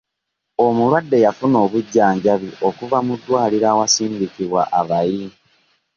Omulwadde yafuna obujjanjabi okuva mu ddwaliro awasindikibwa abayi